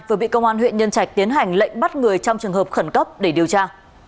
vừa bị công an huyện nhân trạch tiến hành lệnh bắt người trong trường hợp khẩn cấp để điều tra